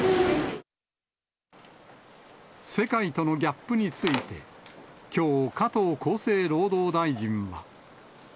世界とのギャップについて、きょう、加藤厚生労働大臣は。